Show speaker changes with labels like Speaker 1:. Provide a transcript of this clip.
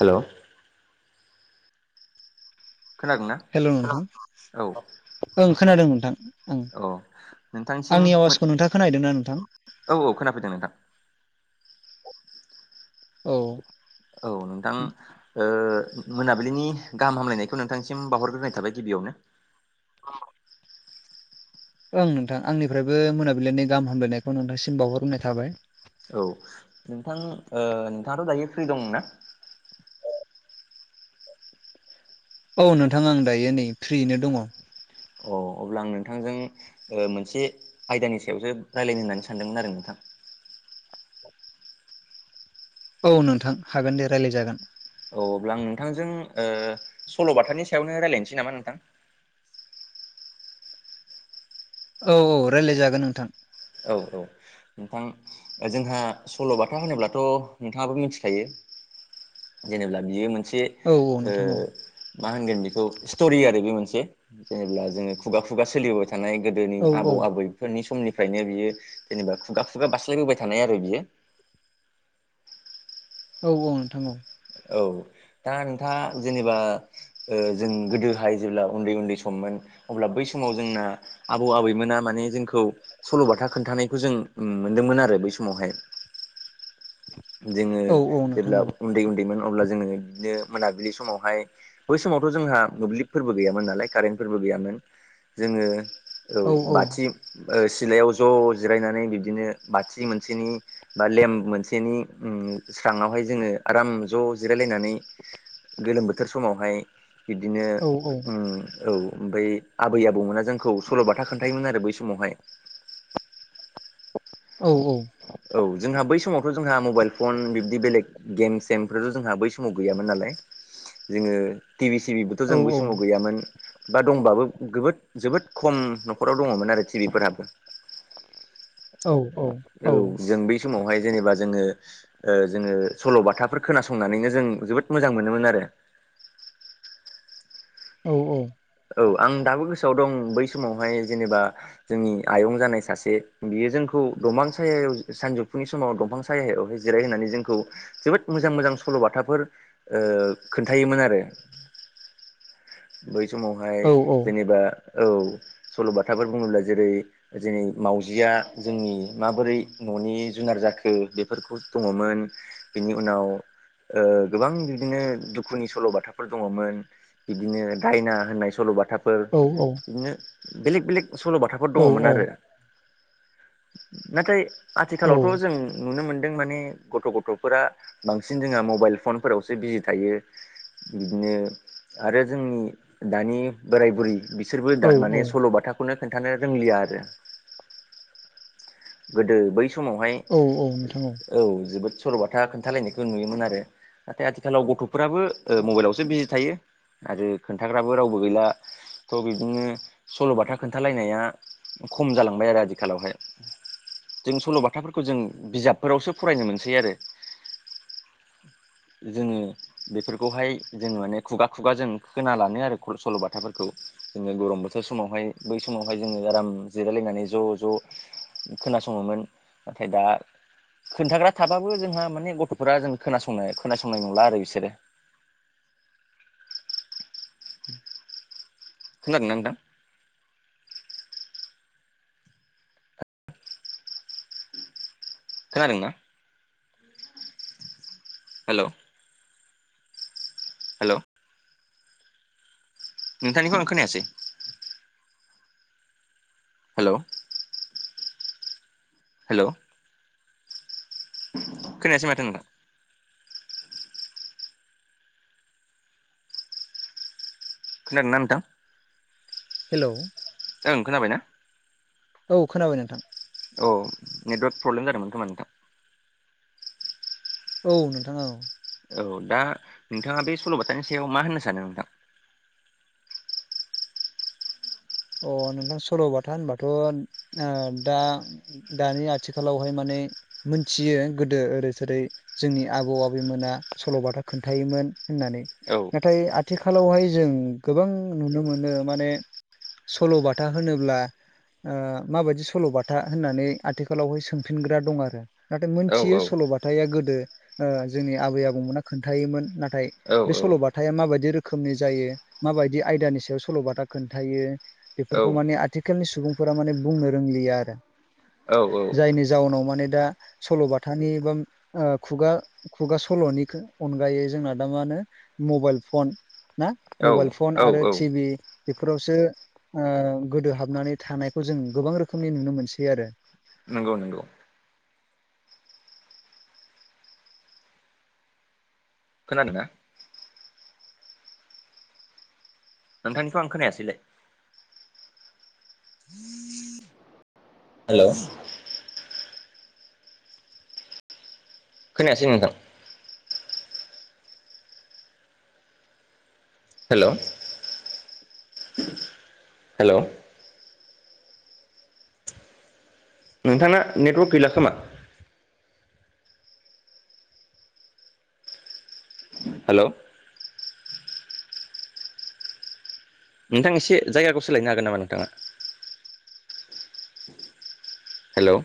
Speaker 1: hello खोनादोंना
Speaker 2: hello
Speaker 1: औ
Speaker 2: नोंथां ओं खोनादों नोंथां ओं
Speaker 1: औ नोंथांसिम
Speaker 2: आंनि आवाजखौ नोंथाङा खोनाहैदोना नोंथां
Speaker 1: औ औ खोनाफैदों नोंथां
Speaker 2: औ
Speaker 1: औ नोंथां मोनाबिलिनि गाहाम हामलायनायखौ नोंथांसिम बावहरग्रोनाय थाबाय गिबियावनो
Speaker 2: औ ओं नोंथां आंनिफ्रायबो मोनाबिलिनि गाहामलायनायखौ नोंथांसिम बावहरनाय थाबाय
Speaker 1: औ नोंथां नोंथाङाथ' दायो फ्रि दं ना
Speaker 2: औ नोंथां आं दायो नै फ्रियैनो दङ
Speaker 1: अ अब्ला आं नोंथांजों मोनसे आयदानि सायावसो रायज्लायनो होननानै सानदोंमोन आरो नोंथां
Speaker 2: औ नोंथां हागोन दे रायलाय जागोन
Speaker 1: औ अब्ला आं नोंथांजों सल'बाथानि सायावनो रायलायनोसै नामा नोंथां
Speaker 2: औ औ रायलायजागोन नोंथां
Speaker 1: औ औ नोंथां जोंहा सल'बाथा होनोब्लाथ' नोंथाङाबो मिथिखायो जेनेब्ला बियो मोनसे
Speaker 2: औ औ नोंथां औ
Speaker 1: मा होनगोन बेखौ स्ट'रि आरो बे मोनसे जेनेब्ला जोङो खुगा खुगा सोलिबोबाय थायो थानाय गोदोनि
Speaker 2: औ
Speaker 1: आबौ
Speaker 2: औ
Speaker 1: आबैफोरनि समनि फ्रायनो बियो जेनेबा खुगा खुगा बास्लायबोबाय थानाय आरो बियो
Speaker 2: औ औ नोंथां औ
Speaker 1: औ दा नोंथाङा जेनेबा जों गोदोहाय जेब्ला उन्दै उन्दै सममोन अब्ला बै समाव जोंना आबौ आबैमोना माने जोंखौ सल'बाथा खोनथानायखौ जों मोनदोंमोन आरो बै समावहाय जोङो
Speaker 2: औ औ नोंथां
Speaker 1: जेब्ला
Speaker 2: औ
Speaker 1: उन्दै उन्दैमोन अब्ला जोङो बिदिनो मोनाबिलि समावहाय बै समावथ' जोंहा मोब्लिबफोरबो गैयामोन नालाय कारेन्टफोरबो गैयामोन जोङो औ बाथि सिलायाव ज' जिरायनानै बिबदिनो बाथि मोनसेनि बा लेम्प मोनसेनि स्राङावहाय जोङो आराम ज' जिरायलायनानै गोलोम बोथोर समावहाय बिदिनो
Speaker 2: औ
Speaker 1: औ ओमफाय आबै आबौमोना जोंखौ सल'बाथा खोन्थायोमोन आरो बै समावहाय
Speaker 2: औ औ
Speaker 1: औ जोंहा बै समावथ' जोंहा मबाइल फन बिब्दि बेलेग गेम सेमफ्राथ' जोंहा बै समाव गैयामोन नालाय जोङो टिभि सिभिबोथ' जों बै समाव गैयामोन बा दंबाबो गोबोद जोबोद खम न'खराव दङमोन आरो टिभिफोराबो औ जों बै समावहाय जेनेबा जोङो ओ जोङो सल'बाथाफोर खोनासंनानैनो जों जोबोद मोजां मोनोमोन आरो
Speaker 2: औ औ
Speaker 1: औ आं दाबो गोसोआव दं बै समावहाय जेनेबा जोंनि आयं जानाय सासे बियो जोंखौ दंफां सायाव सानजौफुनि समाव दंफां सा सायायावहाय जिरायहोननानै जोंखौ जोबोद मोजां मोजां सल'बाथाफोर ओ खोन्थायोमोन आरो बै समावहाय जेनेबा औ सल'बाथाफोर बुङोब्ला जेरै जेरै मावजिया जोंनि माबोरै न'नि जुनार जाखो बेफोरखौ दङमोन बेनि उनाव ओ गोबां बिदिनो दुखुनि सल'बाथाफोर दङमोन बिदिनो दायना होननाय सल'बाथाफोर
Speaker 2: औ
Speaker 1: बिदिनो बेलेक बेलेक सल'बाथा फोर दङमोन आरो नाथाय आथिखालावथ' जों नुनो मोनदों माने गथ' गथ'फोरा बांसिन जोंहा मबाइल फनफोरावसो बिजि थायो बिदिनो आरो जोंनि दानि बोराय बुरि बिसोरबो दा माने सल'बाथा खौनो खोन्थानो रोंलिया आरो गोदो बै
Speaker 2: औ
Speaker 1: समावहाय
Speaker 2: औ औ नोंथां औ
Speaker 1: औ जोबोद सल' बाथा खोन्थालायनायखौ नुयोमोन आरो नाथाय आथिखालाव गथ'फोराबो ओ मबाइलावसो बिजि थायो आरो खोन्थाग्राबो रावबो गैला थ' बिदिनो सल'बाथा खोन्थालायनाया खम जालांबाय आरो आथिखालावहाय जों सल'बाथाफोरखौ जों बिजाबफोरावसो फरायनो मोनसै आरो जोङो बेफोरखौहाय जों माने खुगा खुगा जों खोना लानो आरो सल'बाथाफोरखौ जोङो गरम बोथोर समावहाय बै समावहाय जोङो आराम जिरायलायनानै ज' ज' खोनासङोमोन नाथाय दा खोन्थाग्रा थाबाबो जोंहा माने गथ'फोरा जों खोनासंनाय खोनासंनाय नंला आरो बिसोरो [inaudible] खोनादों ना नोंथां खोनादोंं ना हेल' हेल' नोंथांनिखौ आं खोनायासै हेल' हेल' खोनायसै माथो नोंथां खोनादोंना नोंथां
Speaker 2: हेल'
Speaker 1: नोंथां खोनाबाय ना
Speaker 2: औ खोनाबाय नोंथां
Speaker 1: औ नेटवार्क प्रब्लेम जादोंमोन खोमा नोंथां
Speaker 2: औ नोंथां औ
Speaker 1: औ दा नोंथाङा बे सल'बाथानि सायाव मा होननो सानो नोंथां
Speaker 2: अ नोंथां सल'बाथा होनबाथ' दा दानि आथिखालावहाय माने मोनथियो गोदो ओरैसोरै जोंनि आबौ आबैमोना सल'बाथा खोन्थायोमोन होननानै
Speaker 1: औ
Speaker 2: नाथाय आथिखालावहाय जों गोबां नुनो मोनो माने सल'बाथा होनोब्ला माबायदि सल'बाथा होननानै आथिखालावहाय सोंफिनग्रा दं आरो नाथाय
Speaker 1: औ औ
Speaker 2: मोनथियो सल'बथाया गोदो जोंनि आबै आबौमोना खोन्थायोमोन नाथाय
Speaker 1: औ
Speaker 2: बे
Speaker 1: औ
Speaker 2: सल'बाथा माबायदि रोखोमनि जायो माबायदि आयदानि सायाव सल'बाथा खोन्थायो
Speaker 1: औ
Speaker 2: बेफोरखौ माने आथिखालनि सुबुंफोरा माने बुंनो रोंलिया आरो
Speaker 1: औ
Speaker 2: जायनि जाउनाव माने दा सल'बाथानि बा खुगा खुगा सल'निखौ अनगायै जोंना दा मा होनो मबाइल फन ना मबाइल
Speaker 1: औ औ
Speaker 2: फन आरो
Speaker 1: औ
Speaker 2: टिभि बेफोरावसो ओ गोदो हाबनानै थानायखौ जों गोबां रोखोमनि नुनो मोनसै आरो
Speaker 1: नंगौ नंगौ खोनादोंना नोंथांनिखौ आं खोनायासैलाय हेल' खोनायासै नोंथां हेल' हेल' नोंथाङा नेटवर्क गैला खोमा हेल' नोंथां एसे जायगाखौ सोलाय हागोन नामा नोंथाङा हेल'